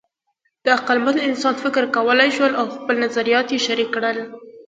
د عقلمن انسانان فکر کولی شول او خپل نظریات یې شریک کړل.